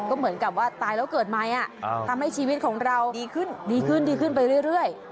ก็เหมือนกับว่าตายแล้วเกิดใหม่ทำให้ชีวิตของเราดีขึ้นดีขึ้นดีขึ้นไปเรื่อย